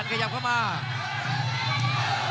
คมทุกลูกจริงครับโอ้โห